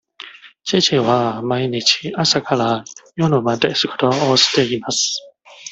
父は毎日朝から晩まで仕事をしています。